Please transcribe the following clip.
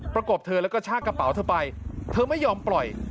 กบเธอแล้วก็ชากระเป๋าเธอไปเธอไม่ยอมปล่อย